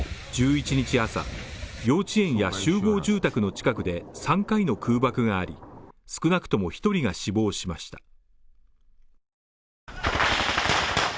１１日朝、幼稚園や集合住宅の近くで３回の空爆があり少なくとも１人が死亡しました。